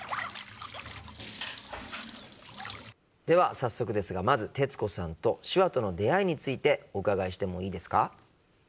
では早速ですがまず徹子さんと手話との出会いについてお伺いしてもいいですか？